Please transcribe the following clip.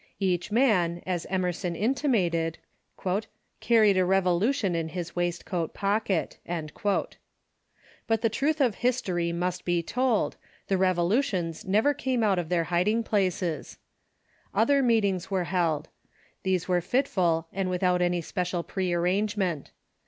Each man, as Em erson intimated, "carried a revolution in his waistcoat pocket." But the truth of History must be told — the revolutions never came out of their hiding places. Other meetings were held. These were fitful, and without any special prearrangement.